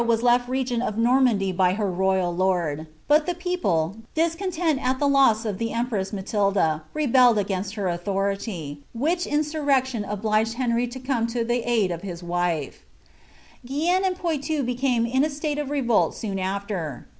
(^ireD Eleinore wns left regent of Normandy by her royal lord ; but >hc prople, discontented at the loss of tlie empresa Matildn, rebelled, i^iui her authority ; which insurrection obliged ileury to come to ths ul of his wife. tiaicnue and Poilou became in a slate of revolt soon after.'